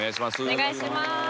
お願いします。